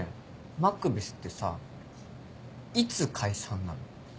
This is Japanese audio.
マクベスってさいつ解散なの？